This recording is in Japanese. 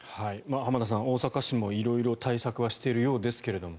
浜田さん、大阪市も色々対策はしているようですが。